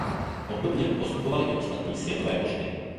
Obdobně postupovaly i ostatní světové pošty.